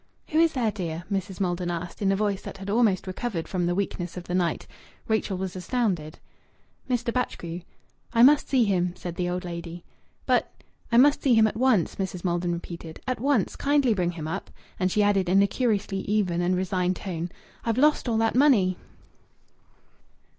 "Who is there, dear?" Mrs. Maldon asked, in a voice that had almost recovered from the weakness of the night, Rachel was astounded. "Mr. Batchgrew." "I must see him," said the old lady. "But " "I must see him at once," Mrs. Maldon repeated. "At once. Kindly bring him up." And she added, in a curiously even and resigned tone, "I've lost all that money!"